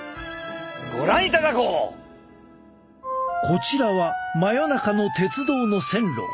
こちらは真夜中の鉄道の線路。